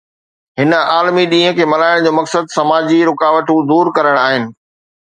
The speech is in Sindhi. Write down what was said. هن عالمي ڏينهن کي ملهائڻ جو مقصد سماجي رڪاوٽون دور ڪرڻ آهي